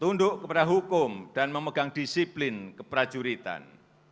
tunduk kepada hukum dan memegang disiplin keprajuritan